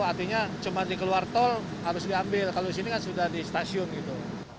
artinya cuma di keluar tol harus diambil kalau di sini kan sudah di stasiun gitu